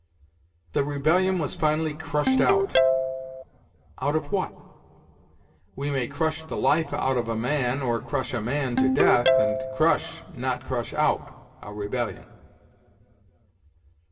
"The rebellion was finally crushed out." Out of what? We may crush the life out of a man, or crush a man to death, and crush, not crush out, a rebellion.